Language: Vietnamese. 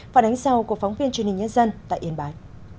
phản ánh sau của phóng viên truyền hình nhân dân tại yên bái